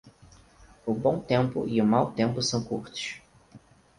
O bom tempo e o mau tempo são curtos.